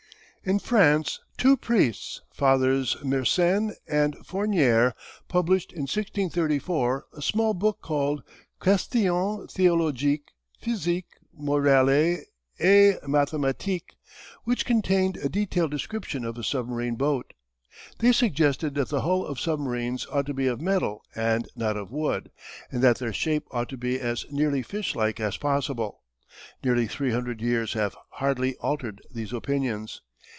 In Prance, two priests, Fathers Mersenne and Fournier, published in 1634 a small book called Questions Théologiques, Physiques, Morales et Mathématiques, which contained a detailed description of a submarine boat. They suggested that the hull of submarines ought to be of metal and not of wood, and that their shape ought to be as nearly fishlike as possible. Nearly three hundred years have hardly altered these opinions.